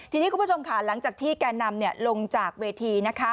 ทีนี้คุณผู้ชมขาหลังจากที่แกนำลงจากเวที